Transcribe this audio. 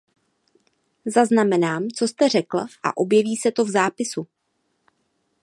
Zaznamenám, co jste řekl, a objeví se to v zápisu.